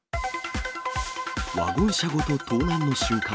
ワゴン車ごと盗難の瞬間。